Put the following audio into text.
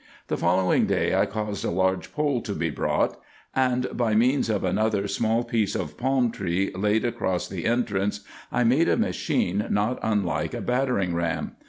The following day I caused a large pole to be brought, and by means of another small piece of palm tree laid across the en trance, I made a machine not unlike a battering ram.